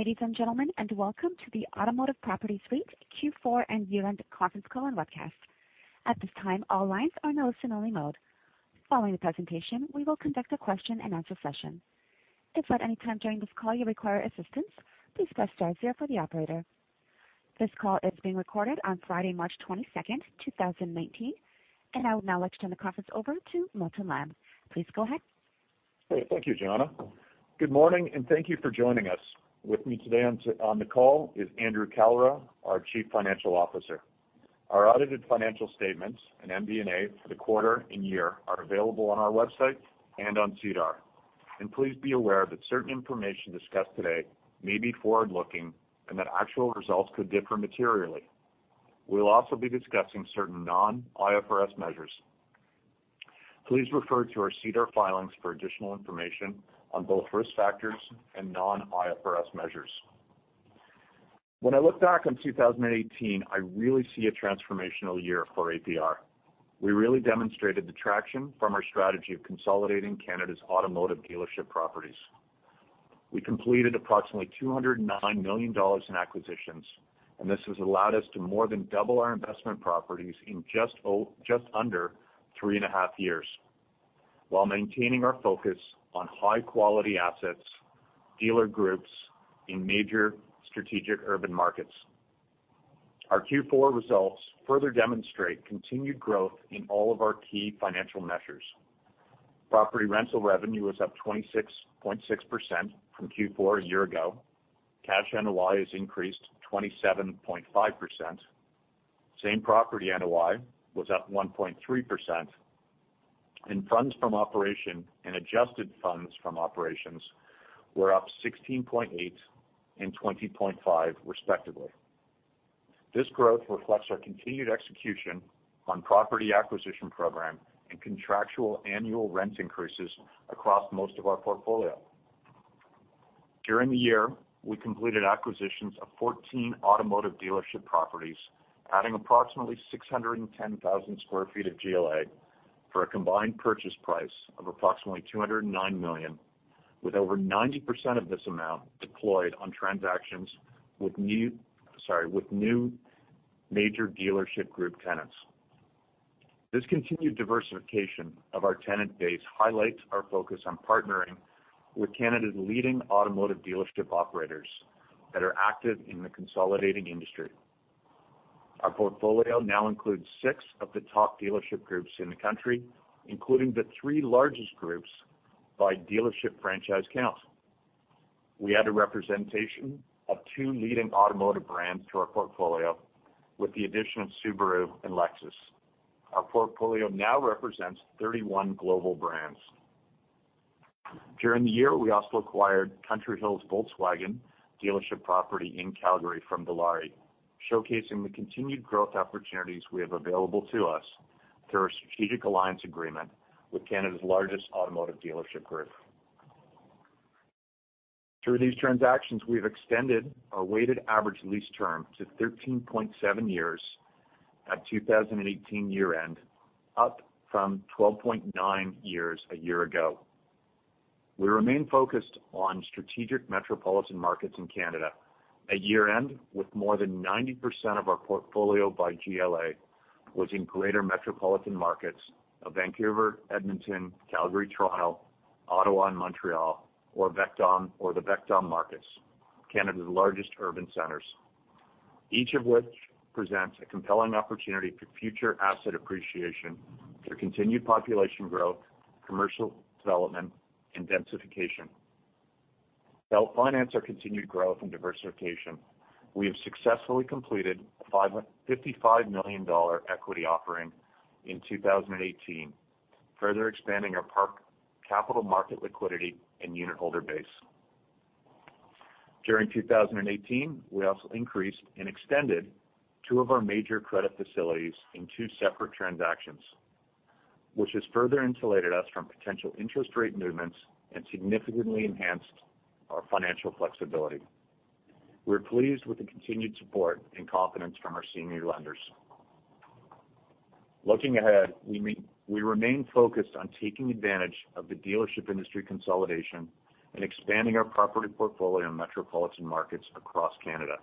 Good morning, ladies and gentlemen, and welcome to the Automotive Properties REIT Q4 and year-end conference call and webcast. At this time, all lines are in listen-only mode. Following the presentation, we will conduct a question-and-answer session. If at any time during this call you require assistance, please press star zero for the operator. This call is being recorded on Friday, March 22, 2019. I would now like to turn the conference over to Milton Lamb. Please go ahead. Thank you, Joanna. Good morning, and thank you for joining us. With me today on the call is Andrew Kalra, our Chief Financial Officer. Our audited financial statements and MD&A for the quarter and year are available on our website and on SEDAR. Please be aware that certain information discussed today may be forward-looking and that actual results could differ materially. We will also be discussing certain non-IFRS measures. Please refer to our SEDAR filings for additional information on both risk factors and non-IFRS measures. When I look back on 2018, I really see a transformational year for APR. We really demonstrated the traction from our strategy of consolidating Canada's automotive dealership properties. We completed approximately 209 million dollars in acquisitions, and this has allowed us to more than double our investment properties in just under three and a half years while maintaining our focus on high-quality assets, dealer groups in major strategic urban markets. Our Q4 results further demonstrate continued growth in all of our key financial measures. Property rental revenue was up 26.6% from Q4 a year ago. Cash NOI has increased 27.5%. Same property NOI was up 1.3%, and funds from operation and adjusted funds from operations were up 16.8% and 20.5% respectively. This growth reflects our continued execution on property acquisition program and contractual annual rent increases across most of our portfolio. During the year, we completed acquisitions of 14 automotive dealership properties, adding approximately 610,000 sq ft of GLA for a combined purchase price of approximately 209 million, with over 90% of this amount deployed on transactions with new major dealership group tenants. This continued diversification of our tenant base highlights our focus on partnering with Canada's leading automotive dealership operators that are active in the consolidating industry. Our portfolio now includes six of the top dealership groups in the country, including the three largest groups by dealership franchise count. We had a representation of two leading automotive brands to our portfolio with the addition of Subaru and Lexus. Our portfolio now represents 31 global brands. During the year, we also acquired Country Hills Volkswagen dealership property in Calgary from Dilawri, showcasing the continued growth opportunities we have available to us through our strategic alliance agreement with Canada's largest automotive dealership group. Through these transactions, we've extended our weighted average lease term to 13.7 years at 2018 year-end, up from 12.9 years a year ago. We remain focused on strategic metropolitan markets in Canada. At year-end, with more than 90% of our portfolio by GLA was in greater metropolitan markets of Vancouver, Edmonton, Calgary, Toronto, Ottawa, and Montreal, or the VECTOM markets, Canada's largest urban centers. Each of which presents a compelling opportunity for future asset appreciation through continued population growth, commercial development, and densification. To help finance our continued growth and diversification, we have successfully completed a 555 million dollar equity offering in 2018, further expanding our capital market liquidity and unit holder base. During 2018, we also increased and extended two of our major credit facilities in two separate transactions, which has further insulated us from potential interest rate movements and significantly enhanced our financial flexibility. We're pleased with the continued support and confidence from our senior lenders. Looking ahead, we remain focused on taking advantage of the dealership industry consolidation and expanding our property portfolio in metropolitan markets across Canada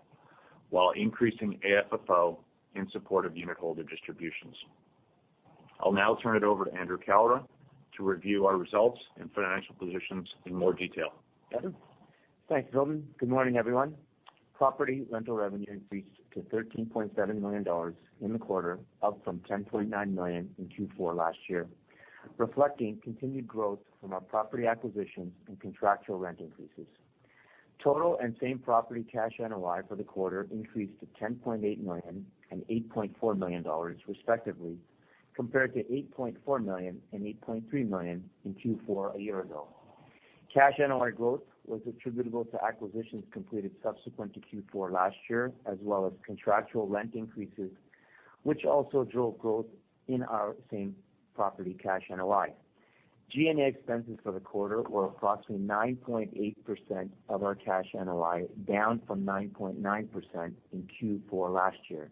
while increasing AFFO in support of unitholder distributions. I'll now turn it over to Andrew Kalra to review our results and financial positions in more detail. Andrew? Thanks, Milton. Good morning, everyone. Property rental revenue increased to 13.7 million dollars in the quarter, up from 10.9 million in Q4 last year, reflecting continued growth from our property acquisitions and contractual rent increases. Total and same property cash NOI for the quarter increased to 10.8 million and 8.4 million dollars respectively, compared to 8.4 million and 8.3 million in Q4 a year ago. Cash NOI growth was attributable to acquisitions completed subsequent to Q4 last year, as well as contractual rent increases, which also drove growth in our same property cash NOI. G&A expenses for the quarter were approximately 9.8% of our cash NOI, down from 9.9% in Q4 last year.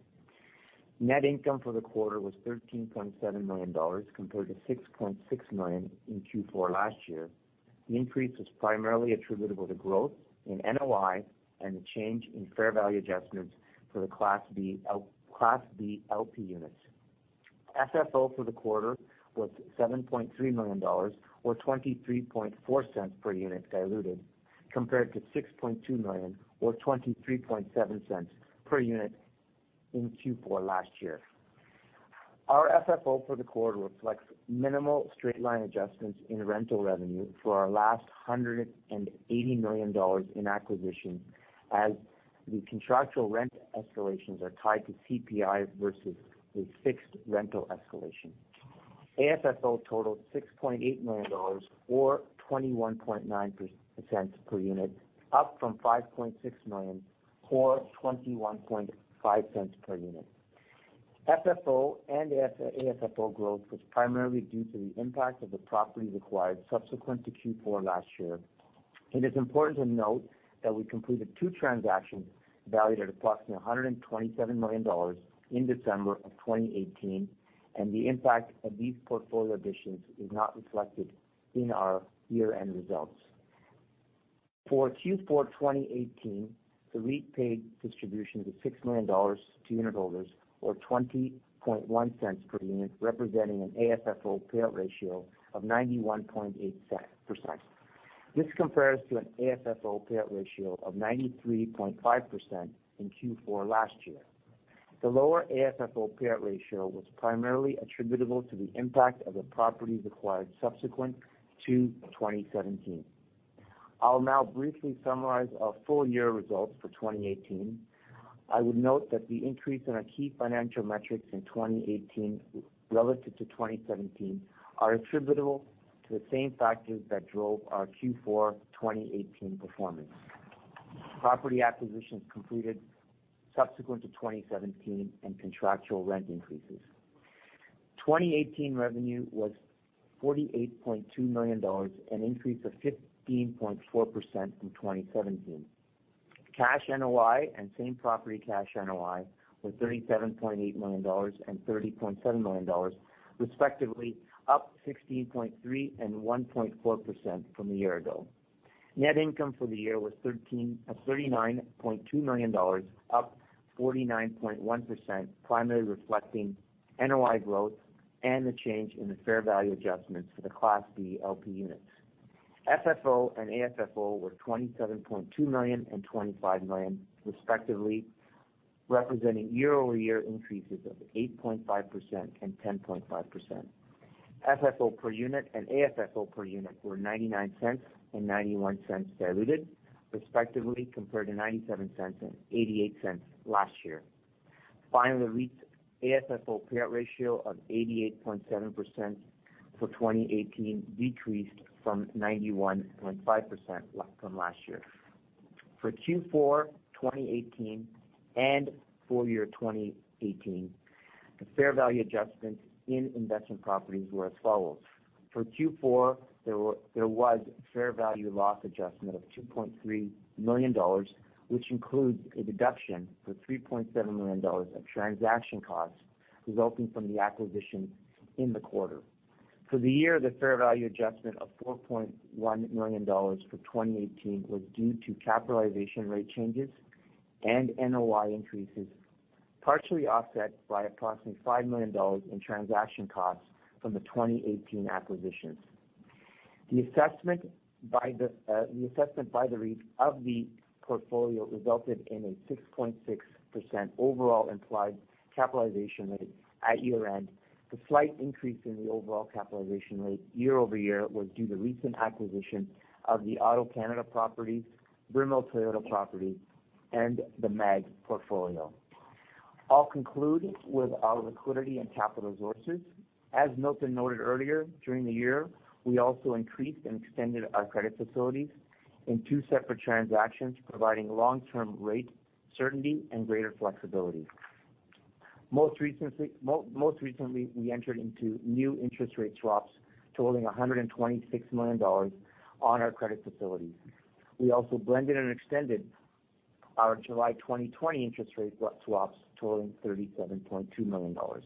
Net income for the quarter was 13.7 million dollars, compared to 6.6 million in Q4 last year. The increase was primarily attributable to growth in NOI and the change in fair value adjustments for the Class B LP units. FFO for the quarter was 7.3 million dollars, or 0.234 per unit diluted, compared to 6.2 million or 0.237 per unit in Q4 last year. Our FFO for the quarter reflects minimal straight-line adjustments in rental revenue for our last 180 million dollars in acquisitions, as the contractual rent escalations are tied to CPI versus a fixed rental escalation. AFFO totaled 6.8 million dollars, or 0.219 per unit, up from 5.6 million or 0.215 per unit. FFO and AFFO growth was primarily due to the impact of the properties acquired subsequent to Q4 last year. It is important to note that we completed two transactions valued at approximately 127 million dollars in December of 2018, and the impact of these portfolio additions is not reflected in our year-end results. For Q4 2018, the REIT paid distribution of 6 million dollars to unitholders or 0.201 per unit, representing an AFFO payout ratio of 91.8%. This compares to an AFFO payout ratio of 93.5% in Q4 last year. The lower AFFO payout ratio was primarily attributable to the impact of the properties acquired subsequent to 2017. I'll now briefly summarize our full-year results for 2018. I would note that the increase in our key financial metrics in 2018 relative to 2017 are attributable to the same factors that drove our Q4 2018 performance. Property acquisitions completed subsequent to 2017 and contractual rent increases. 2018 revenue was 48.2 million dollars, an increase of 15.4% from 2017. Cash NOI and same-property cash NOI were 37.8 million dollars and 30.7 million dollars, respectively, up 16.3% and 1.4% from a year ago. Net income for the year was 39.2 million dollars, up 49.1%, primarily reflecting NOI growth and the change in the fair value adjustments for the Class B LP units. FFO and AFFO were 27.2 million and 25 million, respectively, representing year-over-year increases of 8.5% and 10.5%. FFO per unit and AFFO per unit were 0.99 and 0.91 diluted, respectively, compared to 0.97 and 0.88 last year. Finally, the REIT's AFFO payout ratio of 88.7% for 2018 decreased from 91.5% from last year. For Q4 2018 and full-year 2018, the fair value adjustments in investment properties were as follows. For Q4, there was a fair value loss adjustment of 2.3 million dollars, which includes a deduction for 3.7 million dollars of transaction costs resulting from the acquisition in the quarter. For the year, the fair value adjustment of 4.1 million dollars for 2018 was due to capitalization rate changes and NOI increases, partially offset by approximately 5 million dollars in transaction costs from the 2018 acquisitions. The assessment by the REIT of the portfolio resulted in a 6.6% overall implied capitalization rate at year-end. The slight increase in the overall capitalization rate year-over-year was due to recent acquisition of the AutoCanada properties, Brimell Toyota properties, and the MAG portfolio. I'll conclude with our liquidity and capital sources. As Milton noted earlier, during the year, we also increased and extended our credit facilities in two separate transactions, providing long-term rate certainty and greater flexibility. Most recently, we entered into new interest rate swaps totaling 126 million dollars on our credit facilities. We also blended and extended our July 2020 interest rate swaps totaling 37.2 million dollars.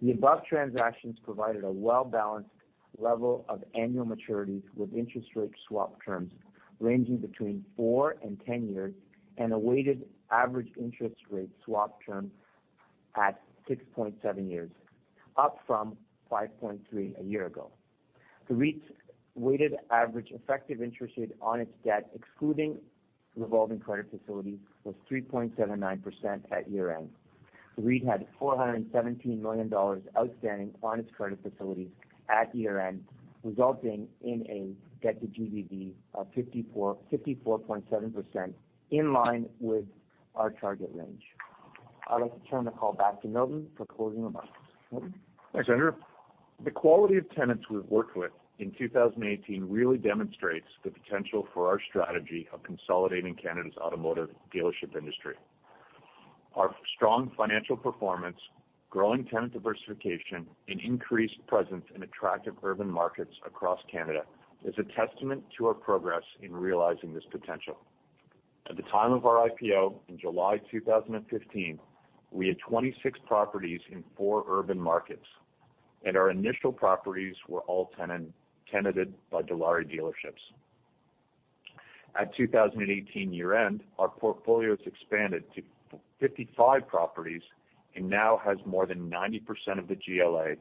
The above transactions provided a well-balanced level of annual maturities with interest rate swap terms ranging between four and 10 years, and a weighted average interest rate swap term at 6.7 years, up from 5.3 a year ago. The REIT's weighted average effective interest rate on its debt, excluding revolving credit facilities, was 3.79% at year-end. The REIT had 417 million dollars outstanding on its credit facilities at year-end, resulting in a debt-to-GBV of 54.7%, in line with our target range. I'd like to turn the call back to Milton for closing remarks. Milton? Thanks, Andrew. The quality of tenants we've worked with in 2018 really demonstrates the potential for our strategy of consolidating Canada's automotive dealership industry. Our strong financial performance, growing tenant diversification, and increased presence in attractive urban markets across Canada is a testament to our progress in realizing this potential. At the time of our IPO in July 2015, we had 26 properties in four urban markets, and our initial properties were all tenanted by Dilawri dealerships. At 2018 year-end, our portfolio has expanded to 55 properties and now has more than 90% of the GLA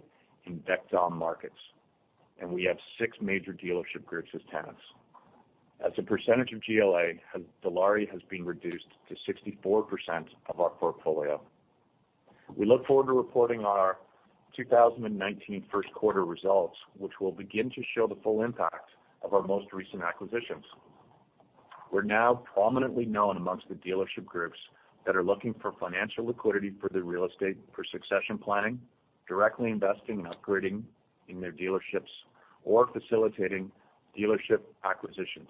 in VECTOM markets, and we have six major dealership groups as tenants. As a percentage of GLA, Dilawri has been reduced to 64% of our portfolio. We look forward to reporting on our 2019 first quarter results, which will begin to show the full impact of our most recent acquisitions. We're now prominently known amongst the dealership groups that are looking for financial liquidity for their real estate for succession planning, directly investing in upgrading in their dealerships, or facilitating dealership acquisitions.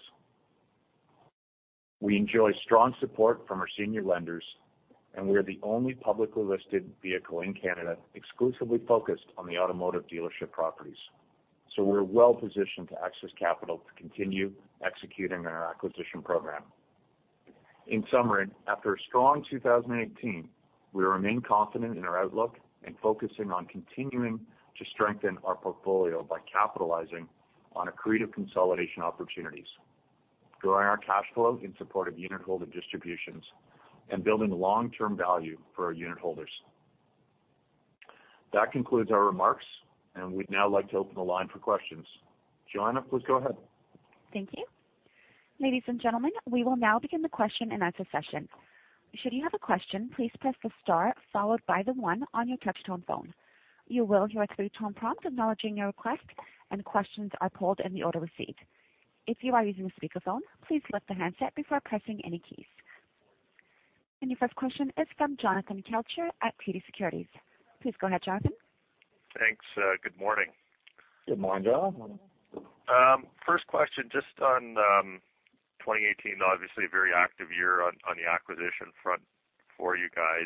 We enjoy strong support from our senior lenders, and we are the only publicly listed vehicle in Canada exclusively focused on the automotive dealership properties. We're well-positioned to access capital to continue executing on our acquisition program. In summary, after a strong 2018, we remain confident in our outlook and focusing on continuing to strengthen our portfolio by capitalizing on accretive consolidation opportunities, growing our cash flow in support of unitholder distributions, and building long-term value for our unitholders. That concludes our remarks, and we'd now like to open the line for questions. Joanna, please go ahead. Thank you. Ladies and gentlemen, we will now begin the question-and-answer session. Should you have a question, please press the star followed by the one on your touchtone phone. You will hear a three-tone prompt acknowledging your request and questions are pulled in the order received. If you are using a speakerphone, please lift the handset before pressing any keys. Your first question is from Jonathan Kelcher at TD Securities. Please go ahead, Jonathan. Thanks. Good morning. Good morning, Jon. First question, just on 2018, obviously a very active year on the acquisition front for you guys.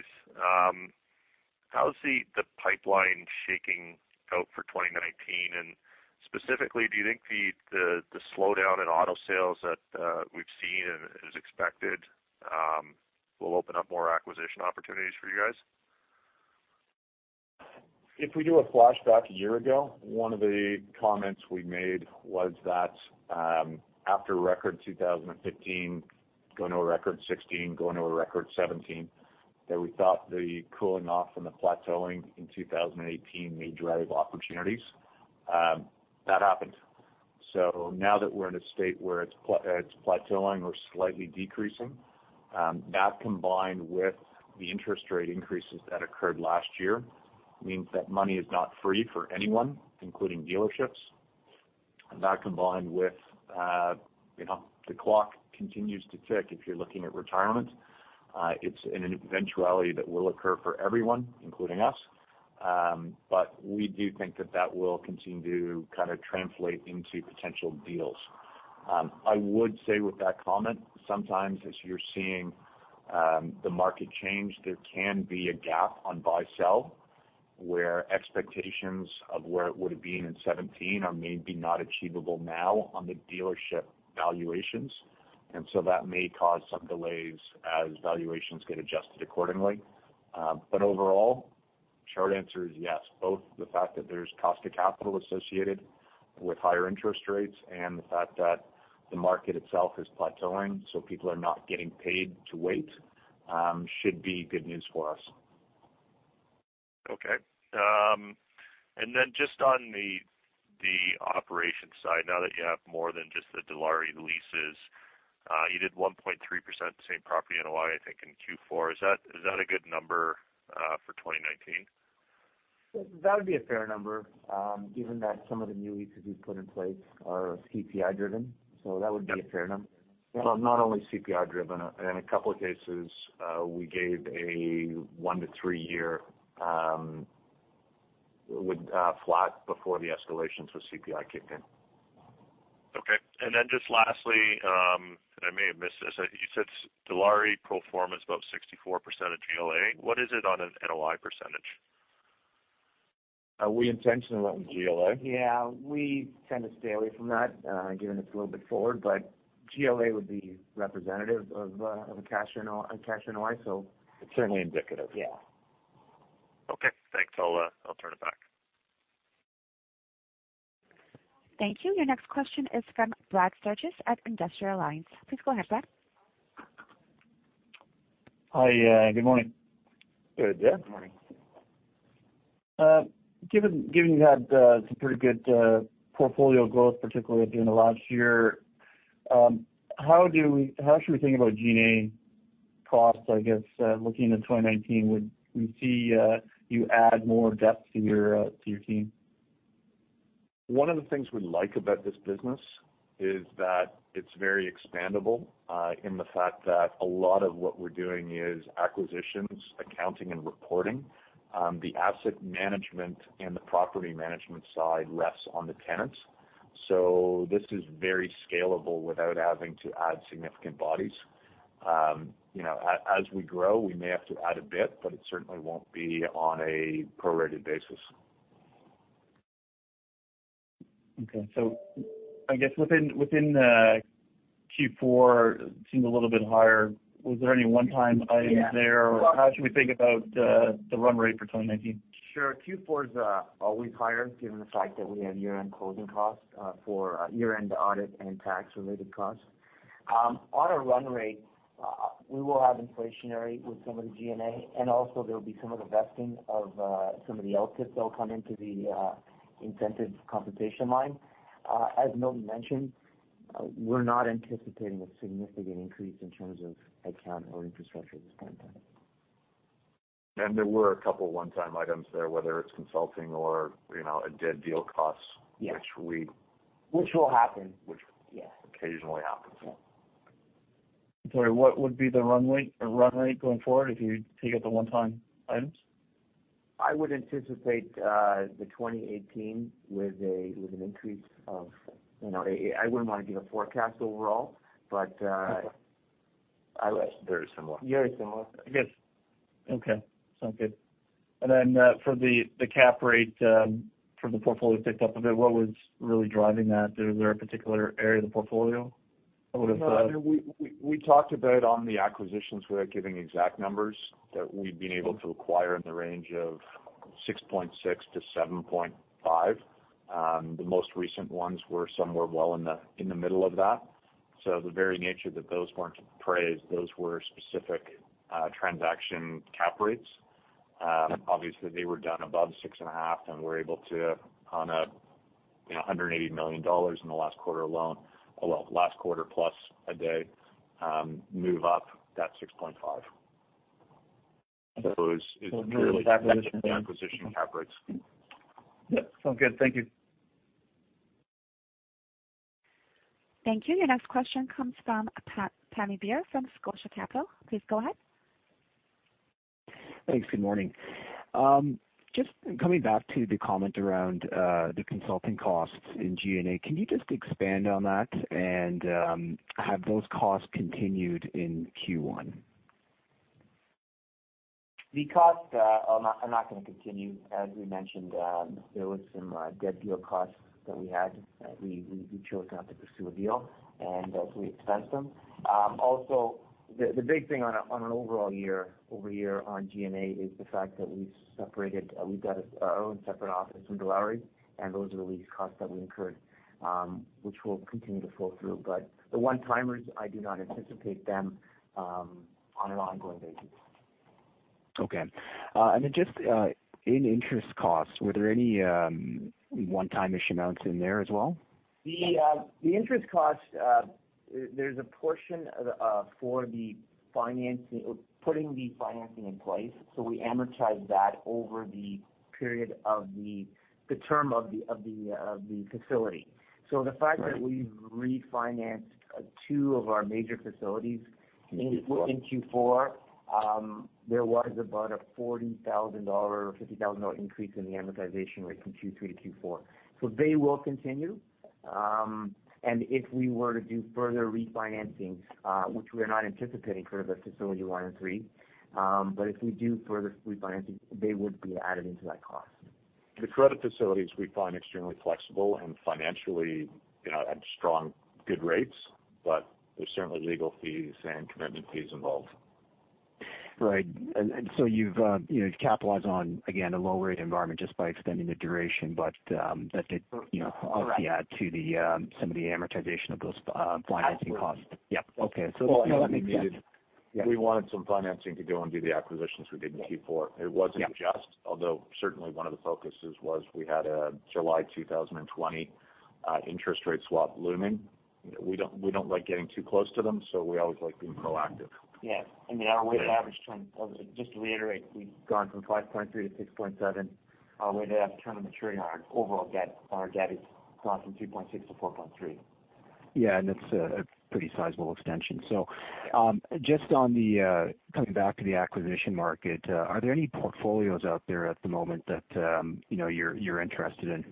Specifically, do you think the slowdown in auto sales that we've seen and is expected will open up more acquisition opportunities for you guys? If we do a flashback a year ago, one of the comments we made was that after a record 2015, going to a record 2016, going to a record 2017, that we thought the cooling off and the plateauing in 2018 may drive opportunities. That happened. Now that we're in a state where it's plateauing or slightly decreasing, that combined with the interest rate increases that occurred last year means that money is not free for anyone, including dealerships. That combined with the clock continues to tick if you're looking at retirement. It's an eventuality that will occur for everyone, including us. We do think that that will continue to translate into potential deals. I would say with that comment, sometimes as you're seeing the market change, there can be a gap on buy-sell, where expectations of where it would have been in 2017 are maybe not achievable now on the dealership valuations. That may cause some delays as valuations get adjusted accordingly. Overall, short answer is yes, both the fact that there's cost of capital associated with higher interest rates and the fact that the market itself is plateauing, so people are not getting paid to wait, should be good news for us. Okay. Just on the operations side, now that you have more than just the Dilawri leases, you did 1.3% same property NOI, I think, in Q4. Is that a good number for 2019? That would be a fair number, given that some of the new leases we've put in place are CPI-driven. That would be a fair number. Well, not only CPI-driven. In a couple of cases, we gave a one to three year with flat before the escalations with CPI kicked in. Okay. Just lastly, and I may have missed this, you said Dilawri pro forma is about 64% of GLA. What is it on an NOI percentage? Are we intentionally looking at GLA? Yeah, we tend to stay away from that, given it's a little bit forward, but GLA would be representative of a cash NOI. It's certainly indicative. Yeah. Okay, thanks. I'll turn it back. Thank you. Your next question is from Brad Sturges at Industrial Alliance. Please go ahead, Brad. Hi. Good morning. Good, yeah. Good morning. Given you had some pretty good portfolio growth, particularly during the last year, how should we think about G&A costs, I guess, looking into 2019? Would we see you add more depth to your team? One of the things we like about this business is that it's very expandable in the fact that a lot of what we're doing is acquisitions, accounting, and reporting. The asset management and the property management side rests on the tenants. This is very scalable without having to add significant bodies. As we grow, we may have to add a bit, but it certainly won't be on a prorated basis. Okay. I guess within Q4, it seemed a little bit higher. Was there any one-time item there? Yeah. How should we think about the run rate for 2019? Sure. Q4 is always higher given the fact that we have year-end closing costs for year-end audit and tax-related costs. On a run rate, we will have inflationary with some of the G&A, and also there'll be some of the vesting of some of the LTIPs that'll come into the incentives compensation line. As Milton mentioned, we're not anticipating a significant increase in terms of headcount or infrastructure at this point in time. There were a couple of one-time items there, whether it's consulting or a dead deal cost. Yes. Which we Which will happen. Which- Yes. occasionally happens. Yeah. Sorry, what would be the run rate going forward if you take out the one-time items? I would anticipate the 2018. I wouldn't want to give a forecast overall. Very similar. Very similar. I guess. Okay. Sound good. For the cap rate for the portfolio picked up a bit, what was really driving that? Is there a particular area of the portfolio that would have- No. We talked about on the acquisitions without giving exact numbers that we've been able to acquire in the range of 6.6-7.5. The most recent ones were somewhere well in the middle of that. The very nature that those weren't appraised, those were specific transaction cap rates. Obviously, they were done above 6.5, and we're able to, on a 180 million dollars in the last quarter alone, well, last quarter plus a day, move up that 6.5. It's clearly- Really the acquisition the acquisition cap rates. Yeah. Sound good. Thank you. Thank you. Your next question comes from Pammi Bir from Scotia Capital. Please go ahead. Thanks. Good morning. Just coming back to the comment around the consulting costs in G&A, can you just expand on that? Have those costs continued in Q1? The cost are not going to continue. As we mentioned, there was some dead deal costs that we had. We chose not to pursue a deal, and so we expensed them. The big thing on an overall year-over-year on G&A is the fact that we've separated. We've got our own separate office from Dilawri, and those are the lease costs that we incurred, which will continue to flow through. The one-timers, I do not anticipate them on an ongoing basis. Okay. Just in interest costs, were there any one-time-ish amounts in there as well? The interest cost, there's a portion for the financing, putting the financing in place. We amortize that over the period of the term of the facility. The fact that Right. we've refinanced two of our major facilities In Q4. in Q4, there was about a 40,000 dollar or 50,000 dollar increase in the amortization rate from Q3 to Q4. They will continue. If we were to do further refinancing, which we're not anticipating for the facility one and three, if we do further refinancing, they would be added into that cost. The credit facilities we find extremely flexible and financially at strong, good rates, there's certainly legal fees and commitment fees involved. Right. You've capitalized on, again, a low rate environment just by extending the duration, that did- Correct. obviously add to some of the amortization of those financing costs. Absolutely. Yep. Okay. That makes sense. We wanted some financing to go and do the acquisitions we did in Q4. Yep. It wasn't just, although certainly one of the focuses was we had a July 2020 interest rate swap looming. We don't like getting too close to them, so we always like being proactive. Yes. I mean, our weighted average term, just to reiterate, we've gone from 5.3-6.7. Our weighted average term maturing on our overall debt is gone from 2.6-4.3. That's a pretty sizable extension. Just coming back to the acquisition market, are there any portfolios out there at the moment that you're interested in?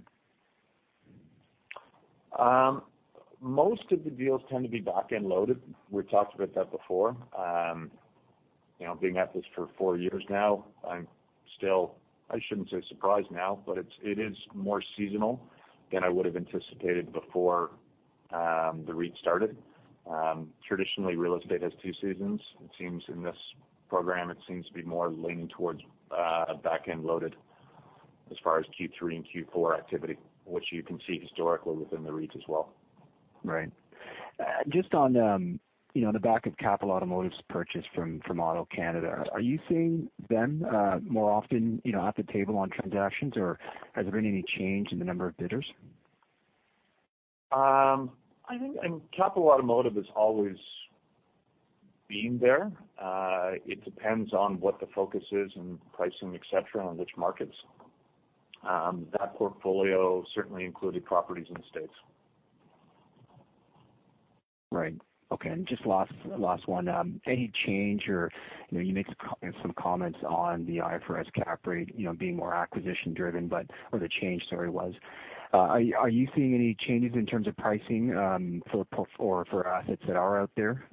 Most of the deals tend to be back-end loaded. We've talked about that before. Being at this for four years now, I shouldn't say surprised now, but it is more seasonal than I would've anticipated before the REIT started. Traditionally, real estate has two seasons. In this program, it seems to be more leaning towards back-end loaded as far as Q3 and Q4 activity, which you can see historically within the REIT as well. Right. Just on the back of Capital Automotive's purchase from AutoCanada, are you seeing them more often at the table on transactions, or has there been any change in the number of bidders? I think Capital Automotive has always been there. It depends on what the focus is and pricing, et cetera, on which markets. That portfolio certainly included properties in the States. Just last one. You make some comments on the IFRS cap rate being more acquisition driven, or the change, sorry, was. Are you seeing any changes in terms of pricing for assets that are out there?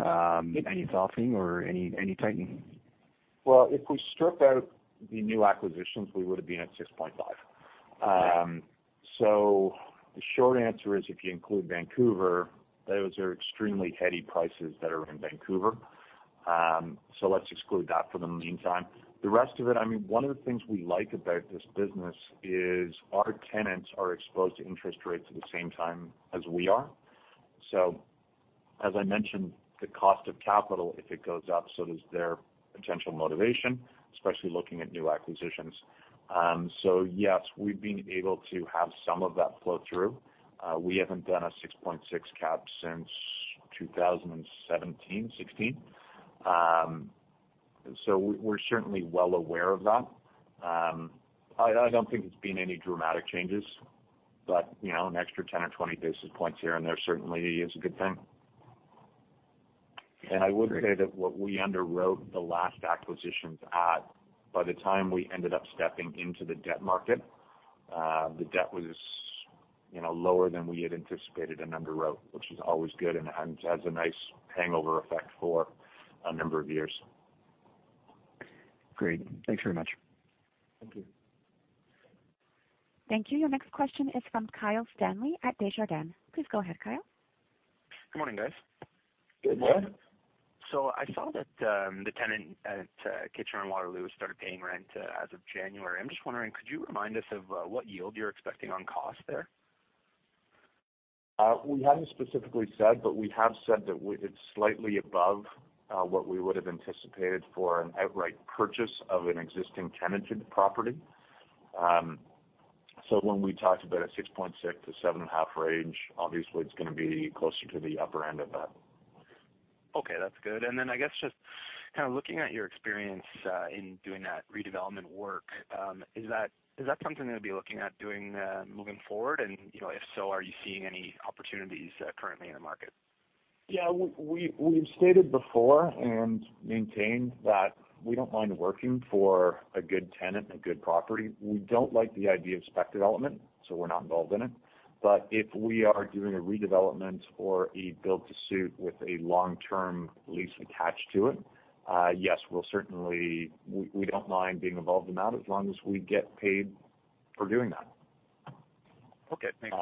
Any softening or any tightening? If we strip out the new acquisitions, we would've been at 6.5. The short answer is, if you include Vancouver, those are extremely heady prices that are in Vancouver. Let's exclude that for the meantime. The rest of it, one of the things we like about this business is our tenants are exposed to interest rates at the same time as we are. As I mentioned, the cost of capital, if it goes up, so does their potential motivation, especially looking at new acquisitions. Yes, we've been able to have some of that flow through. We haven't done a 6.6 cap since 2017, 2016. We're certainly well aware of that. I don't think it's been any dramatic changes, but an extra 10 or 20 basis points here and there certainly is a good thing. I would say that what we underwrote the last acquisitions at, by the time we ended up stepping into the debt market, the debt was lower than we had anticipated and underwrote, which is always good and has a nice hangover effect for a number of years. Great. Thanks very much. Thank you. Thank you. Your next question is from Kyle Stanley at Desjardins. Please go ahead, Kyle. Good morning, guys. Good morning. Morning. I saw that the tenant at Kitchener-Waterloo started paying rent as of January. I'm just wondering, could you remind us of what yield you're expecting on cost there? We haven't specifically said, but we have said that it's slightly above what we would've anticipated for an outright purchase of an existing tenanted property. When we talked about a 6.6 to seven and a half range, obviously it's going to be closer to the upper end of that. Okay, that's good. I guess just looking at your experience in doing that redevelopment work, is that something that you'll be looking at doing moving forward? If so, are you seeing any opportunities currently in the market? Yeah. We've stated before and maintained that we don't mind working for a good tenant and a good property. We don't like the idea of spec development, so we're not involved in it. If we are doing a redevelopment or a build to suit with a long-term lease attached to it, yes, we don't mind being involved in that as long as we get paid for doing that. Okay. Thanks.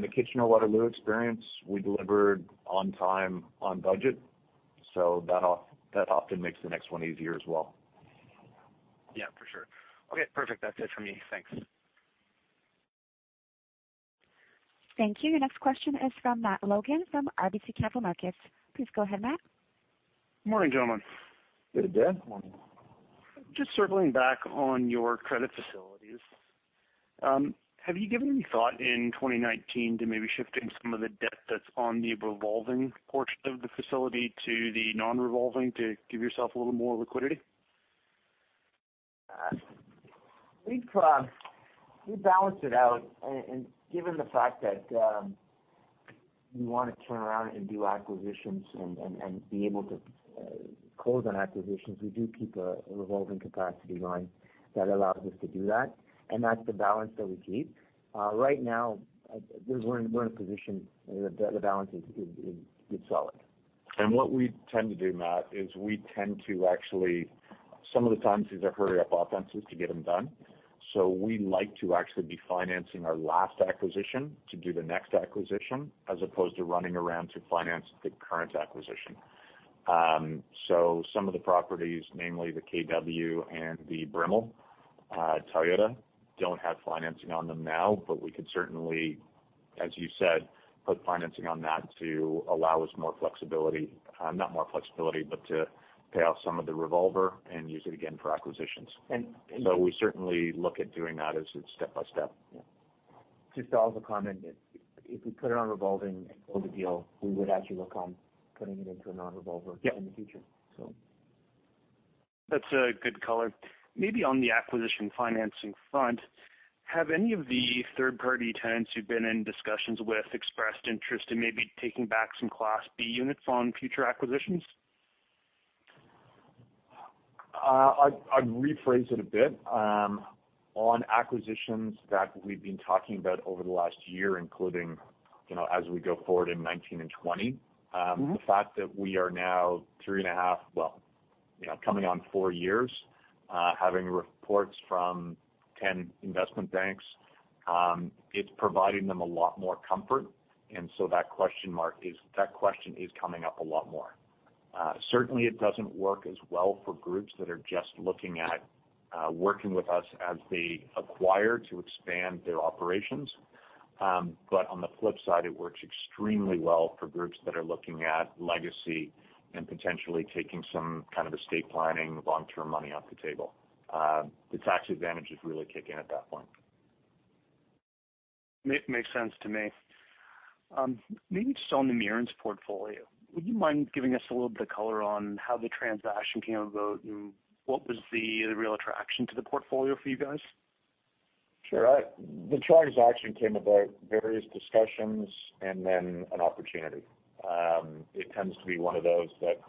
The Kitchener-Waterloo experience, we delivered on time, on budget. That often makes the next one easier as well. Yeah, for sure. Okay, perfect. That's it for me. Thanks. Thank you. Your next question is from Matt Logan from RBC Capital Markets. Please go ahead, Matt. Morning, gentlemen. Good day. Morning. Just circling back on your credit facilities. Have you given any thought in 2019 to maybe shifting some of the debt that's on the revolving portion of the facility to the non-revolving to give yourself a little more liquidity? We balance it out, and given the fact that we want to turn around and do acquisitions and be able to close on acquisitions, we do keep a revolving capacity line that allows us to do that, and that's the balance that we keep. Right now, we're in a position where the balance is solid. What we tend to do, Matt Logan, is we tend to actually, some of the times, these are hurry up offenses to get them done. We like to actually be financing our last acquisition to do the next acquisition as opposed to running around to finance the current acquisition. Some of the properties, namely the KW and the Brimell Toyota, don't have financing on them now, but we could certainly, as you said, put financing on that to allow us more flexibility. Not more flexibility, but to pay off some of the revolver and use it again for acquisitions. And- We certainly look at doing that as it's step by step. Yeah. Just to also comment, if we put it on revolving and close a deal, we would actually look on putting it into a non-revolver- Yeah. in the future. That's a good color. Maybe on the acquisition financing front, have any of the third-party tenants you've been in discussions with expressed interest in maybe taking back some Class B units on future acquisitions? I'd rephrase it a bit. On acquisitions that we've been talking about over the last year, including, as we go forward in 2019 and 2020. The fact that we are now three and a half, well, coming on four years, having reports from 10 investment banks, it's providing them a lot more comfort. That question is coming up a lot more. Certainly, it doesn't work as well for groups that are just looking at working with us as they acquire to expand their operations. On the flip side, it works extremely well for groups that are looking at legacy and potentially taking some kind of estate planning, long-term money off the table. The tax advantage is really kicking in at that point. Makes sense to me. Maybe just on the Mierins portfolio. Would you mind giving us a little bit of color on how the transaction came about, and what was the real attraction to the portfolio for you guys? Sure. The transaction came about various discussions and then an opportunity. It tends to be one of those that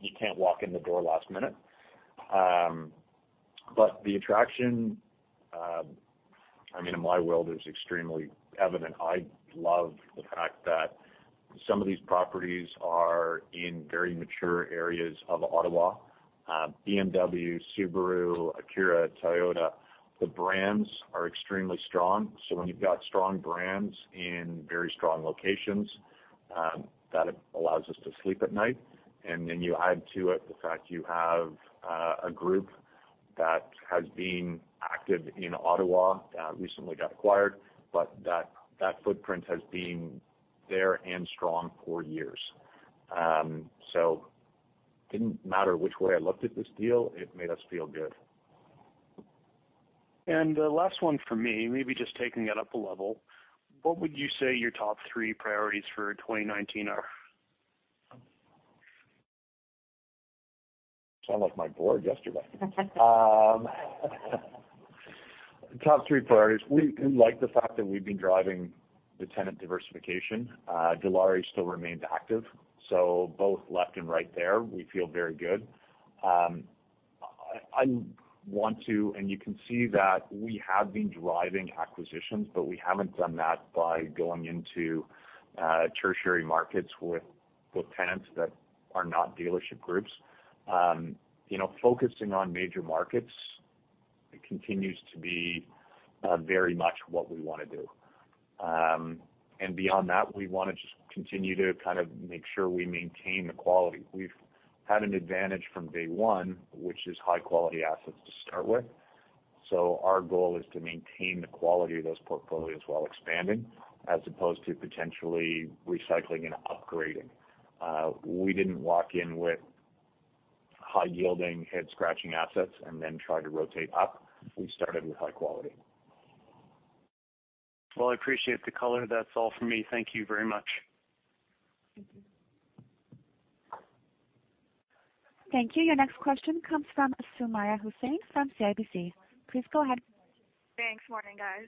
you can't walk in the door last minute. Sure. The attraction, in my world, is extremely evident. I love the fact that some of these properties are in very mature areas of Ottawa. BMW, Subaru, Acura, Toyota, the brands are extremely strong. When you've got strong brands in very strong locations, that allows us to sleep at night, and then you add to it the fact you have a group that has been active in Ottawa, recently got acquired, but that footprint has been there and strong for years. It didn't matter which way I looked at this deal, it made us feel good. The last one from me, maybe just taking it up a level, what would you say your top three priorities for 2019 are? It sounds like my board yesterday. Top three priorities. We like the fact that we've been driving the tenant diversification. Dilawri still remained active, so both left and right there, we feel very good. I want to, and you can see that we have been driving acquisitions, but we haven't done that by going into tertiary markets with tenants that are not dealership groups. Focusing on major markets continues to be very much what we want to do. Beyond that, we want to just continue to kind of make sure we maintain the quality. We've had an advantage from day one, which is high-quality assets to start with. Our goal is to maintain the quality of those portfolios while expanding, as opposed to potentially recycling and upgrading. We didn't walk in with high-yielding, head-scratching assets and then try to rotate up. We started with high quality. Well, I appreciate the color. That's all for me. Thank you very much. Thank you. Thank you. Your next question comes from Sumayya Hussain from CIBC. Please go ahead. Thanks. Morning, guys.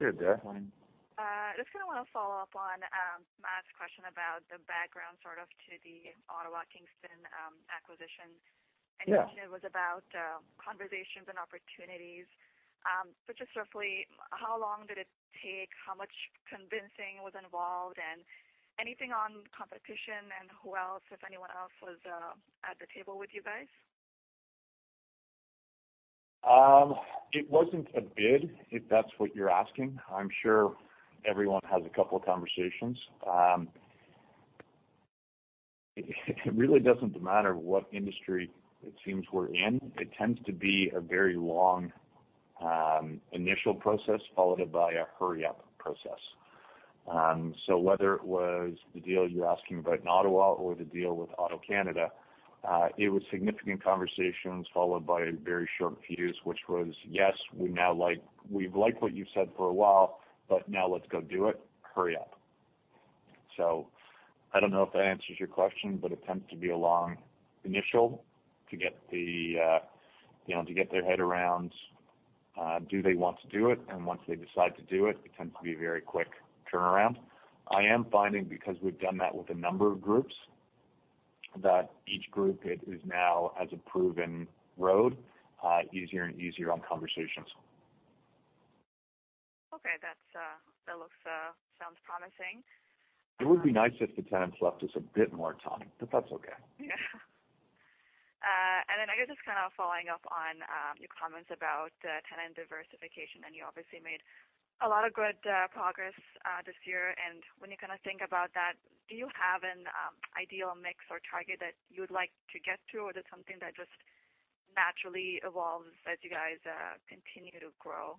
Good day. Just kind of want to follow up on Matt's question about the background sort of to the Ottawa Kingston acquisition. Yeah. You mentioned it was about conversations and opportunities. Just roughly, how long did it take, how much convincing was involved, and anything on competition and who else, if anyone else was at the table with you guys? It wasn't a bid, if that's what you're asking. I'm sure everyone has a couple of conversations. It really doesn't matter what industry it seems we're in. It tends to be a very long initial process followed by a hurry-up process. Whether it was the deal you're asking about in Ottawa or the deal with AutoCanada, it was significant conversations followed by a very short fuse, which was, "Yes, we've liked what you've said for a while, but now let's go do it. Hurry up." I don't know if that answers your question, but it tends to be a long initial to get their head around do they want to do it, and once they decide to do it tends to be a very quick turnaround. I am finding because we've done that with a number of groups, that each group, it is now as a proven road, easier and easier on conversations. Okay. That sounds promising. It would be nice if the tenants left us a bit more time, but that's okay. Then I guess just kind of following up on your comments about tenant diversification. You obviously made a lot of good progress this year. When you kind of think about that, do you have an ideal mix or target that you would like to get to, or is it something that just naturally evolves as you guys continue to grow?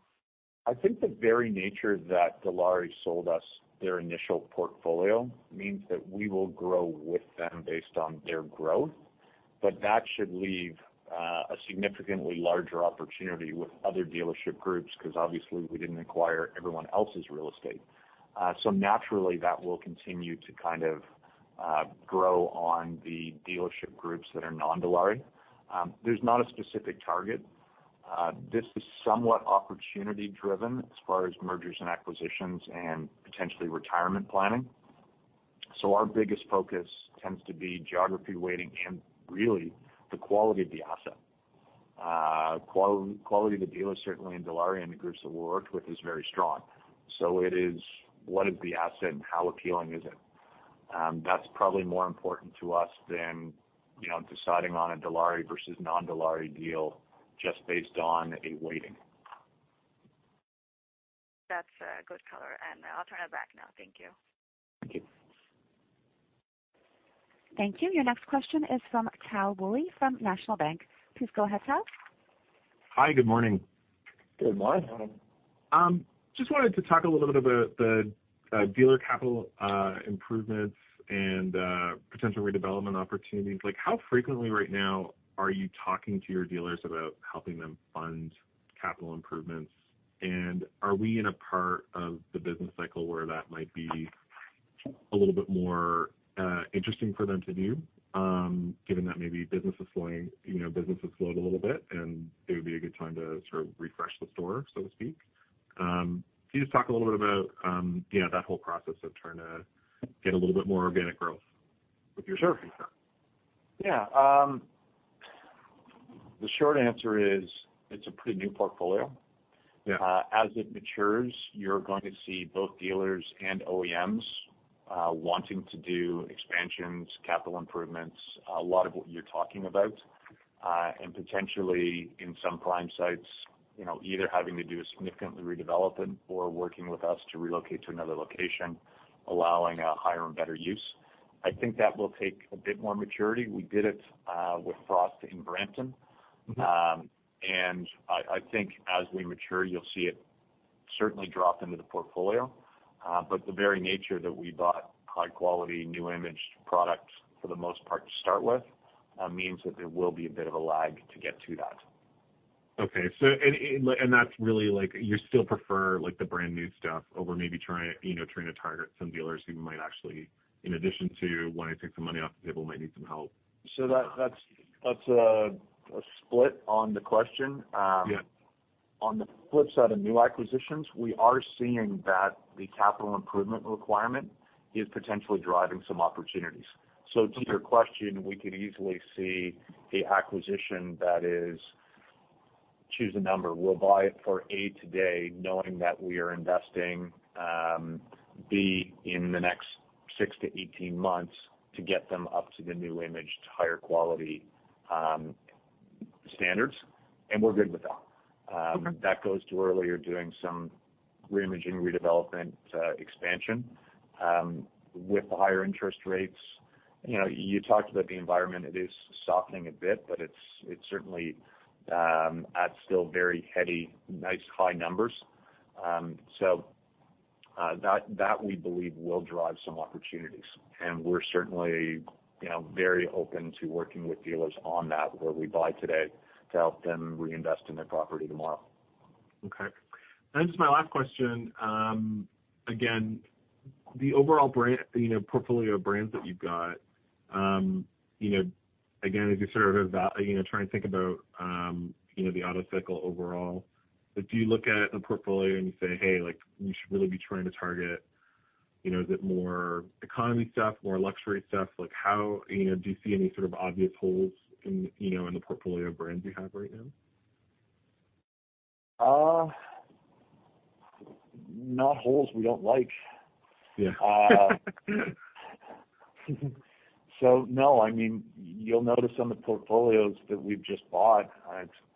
I think the very nature that Dilawri sold us their initial portfolio means that we will grow with them based on their growth. That should leave a significantly larger opportunity with other dealership groups, because obviously, we didn't acquire everyone else's real estate. Naturally, that will continue to kind of grow on the dealership groups that are non-Dilawri. There's not a specific target. This is somewhat opportunity-driven as far as mergers and acquisitions and potentially retirement planning. Our biggest focus tends to be geography weighting and really the quality of the asset. Quality of the deal is certainly in Dilawri and the groups that we worked with is very strong. It is what is the asset and how appealing is it? That's probably more important to us than deciding on a Dilawri versus non-Dilawri deal just based on a weighting. That's a good color, and I'll turn it back now. Thank you. Thank you. Thank you. Your next question is from Tal Wooley from National Bank. Please go ahead, Tal. Hi. Good morning. Good morning. Just wanted to talk a little bit about the dealer capital improvements and potential redevelopment opportunities. How frequently right now are you talking to your dealers about helping them fund capital improvements? Are we in a part of the business cycle where that might be a little bit more interesting for them to do, given that maybe business has slowed a little bit, and it would be a good time to sort of refresh the store, so to speak? Can you just talk a little bit about that whole process of trying to get a little bit more organic growth? With your surface. Yeah. The short answer is it's a pretty new portfolio. Yeah. As it matures, you're going to see both dealers and OEMs wanting to do expansions, capital improvements, a lot of what you're talking about, and potentially in some prime sites, either having to do a significantly redevelop it or working with us to relocate to another location, allowing a higher and better use. I think that will take a bit more maturity. We did it with Frost in Brampton. I think as we mature, you'll see it certainly drop into the portfolio. The very nature that we bought high quality, new image product for the most part to start with, means that there will be a bit of a lag to get to that. Okay. That's really like you still prefer the brand new stuff over maybe trying to target some dealers who might actually, in addition to wanting to take some money off the table, might need some help. That's a split on the question. Yeah. On the flip side of new acquisitions, we are seeing that the capital improvement requirement is potentially driving some opportunities. To your question, we could easily see an acquisition that is, choose a number, we'll buy it for A today, knowing that we are investing B in the next 6-18 months to get them up to the new image, to higher quality standards, and we're good with that. Okay. That goes to earlier doing some reimaging, redevelopment, expansion. With the higher interest rates, you talked about the environment, it is softening a bit, but it's certainly at still very heady, nice high numbers. That, we believe, will drive some opportunities, and we're certainly very open to working with dealers on that, where we buy today to help them reinvest in their property tomorrow. Okay. Just my last question, again, the overall portfolio of brands that you've got, again, as you sort of try and think about the auto cycle overall, but do you look at a portfolio and you say, "Hey, we should really be trying to target, is it more economy stuff, more luxury stuff?" Do you see any sort of obvious holes in the portfolio of brands you have right now? Not holes we don't like. Yeah. No, you'll notice on the portfolios that we've just bought,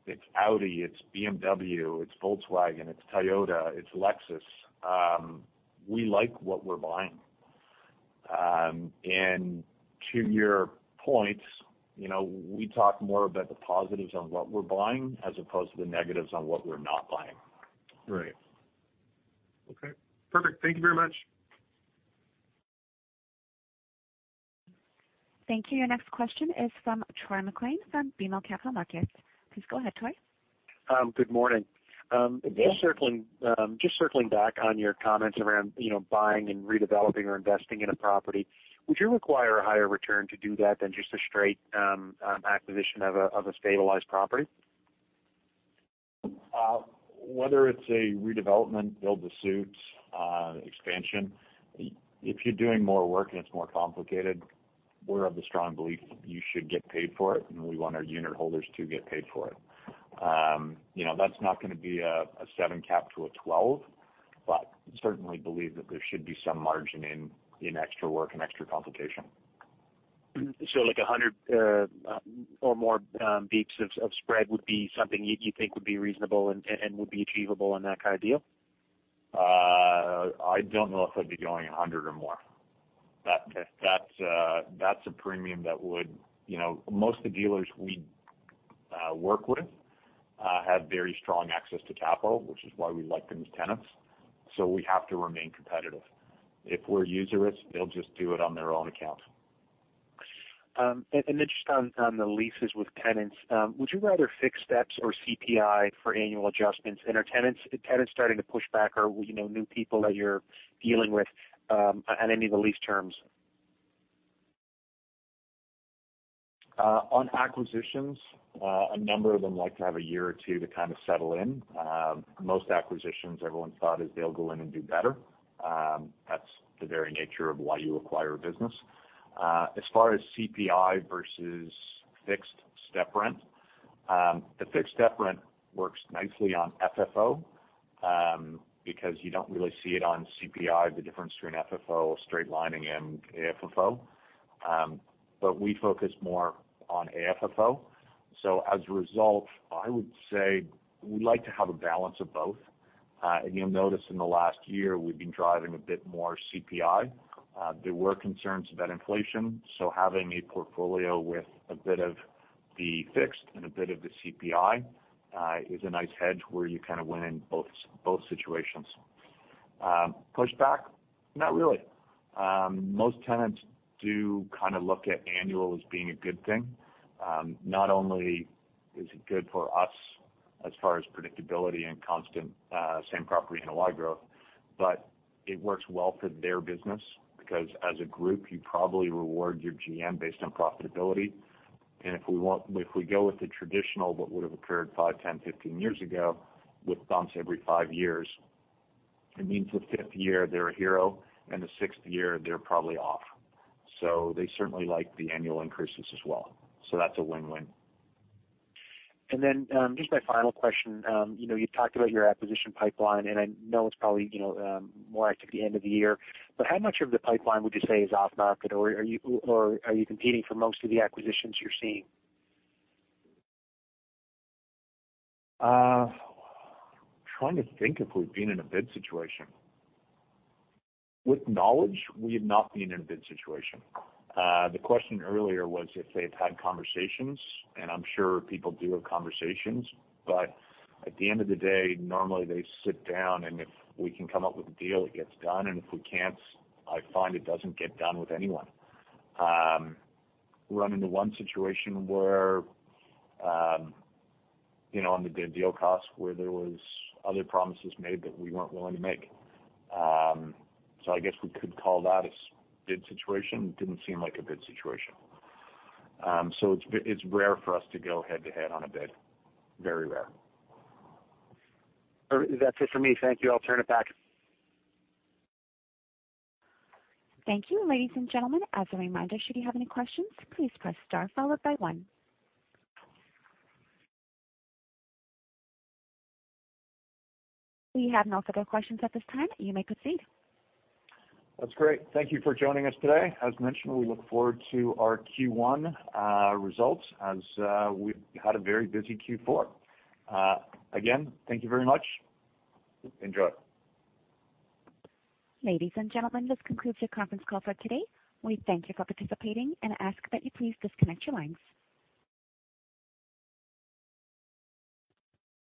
it's Audi, it's BMW, it's Volkswagen, it's Toyota, it's Lexus. We like what we're buying. To your point, we talk more about the positives on what we're buying as opposed to the negatives on what we're not buying. Right. Okay, perfect. Thank you very much. Thank you. Your next question is from Troy MacLean from BMO Capital Markets. Please go ahead, Troy. Good morning. Good day. Circling back on your comments around buying and redeveloping or investing in a property. Would you require a higher return to do that than just a straight acquisition of a stabilized property? Whether it's a redevelopment, build to suit, expansion, if you're doing more work and it's more complicated, we're of the strong belief you should get paid for it. We want our unit holders to get paid for it. That's not going to be a seven cap to a 12, certainly believe that there should be some margin in extra work and extra complication. Like 100 or more basis points of spread would be something you think would be reasonable and would be achievable in that kind of deal? I don't know if I'd be going 100 or more. Most of the dealers we work with have very strong access to capital, which is why we like them as tenants. We have to remain competitive. If we're usurious, they'll just do it on their own account. Just on the leases with tenants, would you rather fixed steps or CPI for annual adjustments? Are tenants starting to push back or new people that you're dealing with on any of the lease terms? On acquisitions, a number of them like to have a year or two to kind of settle in. Most acquisitions, everyone's thought is they'll go in and do better. That's the very nature of why you acquire a business. As far as CPI versus fixed step rent, the fixed step rent works nicely on FFO, because you don't really see it on CPI, the difference between FFO, straight lining, and AFFO. We focus more on AFFO. As a result, I would say we like to have a balance of both. You'll notice in the last year, we've been driving a bit more CPI. There were concerns about inflation, so having a portfolio with a bit of the fixed and a bit of the CPI, is a nice hedge where you kind of win in both situations. Pushback? Not really. Most tenants do kind of look at annual as being a good thing. Not only is it good for us as far as predictability and constant same property and a Y growth, but it works well for their business because as a group, you probably reward your GM based on profitability. If we go with the traditional what would have occurred five, 10, 15 years ago, with bumps every five years. It means the fifth year they're a hero, and the sixth year they're probably off. They certainly like the annual increases as well. That's a win-win. Just my final question. You've talked about your acquisition pipeline, and I know it's probably more active at the end of the year, but how much of the pipeline would you say is off-market, or are you competing for most of the acquisitions you're seeing? Trying to think if we've been in a bid situation. With knowledge, we have not been in a bid situation. The question earlier was if they've had conversations, I'm sure people do have conversations, but at the end of the day, normally they sit down, if we can come up with a deal, it gets done, if we can't, I find it doesn't get done with anyone. We run into one situation where on the deal cost where there was other promises made that we weren't willing to make. I guess we could call that a bid situation. Didn't seem like a bid situation. It's rare for us to go head-to-head on a bid. Very rare. That's it for me. Thank you. I'll turn it back. Thank you. Ladies and gentlemen, as a reminder, should you have any questions, please press star followed by one. We have no further questions at this time. You may proceed. That's great. Thank you for joining us today. As mentioned, we look forward to our Q1 results as we've had a very busy Q4. Again, thank you very much. Enjoy. Ladies and gentlemen, this concludes your conference call for today. We thank you for participating and ask that you please disconnect your lines.